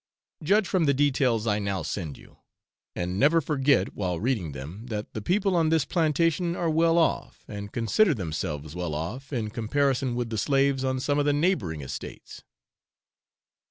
Judge from the details I now send you; and never forget, while reading them, that the people on this plantation are well off, and consider themselves well off, in comparison with the slaves on some of the neighbouring estates.